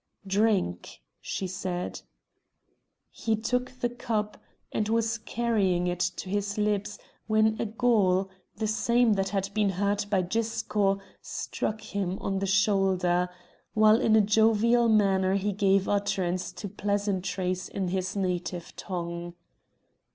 "Drink!" she said. He took the cup, and was carrying it to his lips when a Gaul, the same that had been hurt by Gisco, struck him on the shoulder, while in a jovial manner he gave utterance to pleasantries in his native tongue.